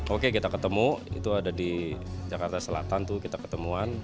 oke kita ketemu itu ada di jakarta selatan tuh kita ketemuan